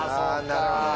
なるほどね。